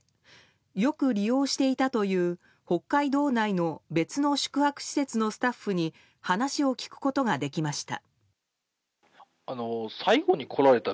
よく利用していたという北海道内の別の宿泊施設のスタッフに話を聞くことができました。